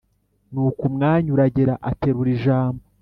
nuko umwanya uragera aterura ijambo